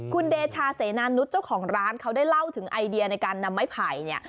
คุณเดชาเสนานุษย์เจ้าของร้านเขาได้เล่าถึงไอเดียในการนำไม้ไผ่เนี่ย